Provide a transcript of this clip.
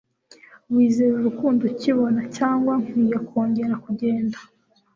wizera urukundo ukibona, cyangwa nkwiye kongera kugenda